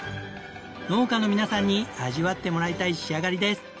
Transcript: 農家の皆さんに味わってもらいたい仕上がりです。